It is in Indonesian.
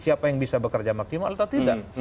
siapa yang bisa bekerja maksimal atau tidak